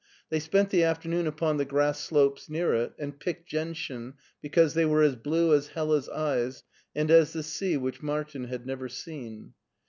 They spent the afternoon upon the grass slopes near it, and picked gentian because they were as blue as Hella's eyes and as the sea which Martin had never seen.